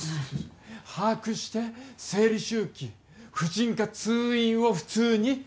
把握して生理周期婦人科通院を普通に